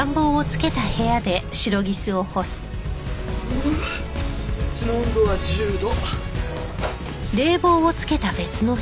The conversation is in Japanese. ううこっちの温度は１０度。